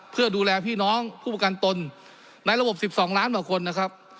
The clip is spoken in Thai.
เพื่อดูแลพี่น้องผู้ประกันตนในระบบ๑๒ล้านกว่าคนนะครับ